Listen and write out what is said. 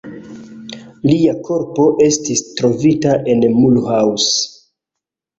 Lia korpo estis trovita en Mulhouse.